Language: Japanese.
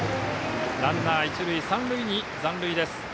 ランナー、一塁三塁に残塁です。